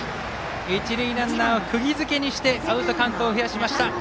一塁ランナーをくぎ付けにしてアウトカウントを増やしました。